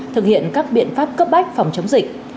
thực hiện các biện pháp cấp bách phòng chống dịch